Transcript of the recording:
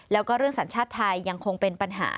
แล้วก็เรื่องสัญชาติไทยยังคงเป็นปัญหา